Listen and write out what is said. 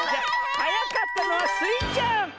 はやかったのはスイちゃん！